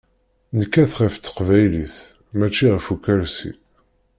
Nekkat ɣef teqbaylit, mačči ɣef ukersi.